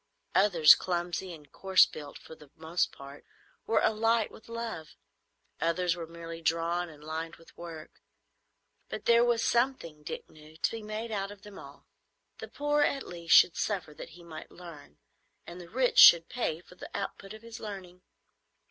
Others, clumsy and coarse built for the most part, were alight with love; others were merely drawn and lined with work; but there was something, Dick knew, to be made out of them all. The poor at least should suffer that he might learn, and the rich should pay for the output of his learning.